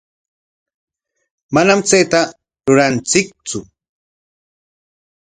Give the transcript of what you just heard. Manam chayta ruranchiktsu.